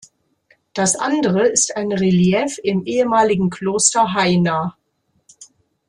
Das andere ist ein Relief im ehemaligen Kloster Haina.